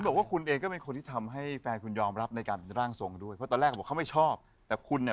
ซึ่งก่อนที่รู้จักทางนี้นะ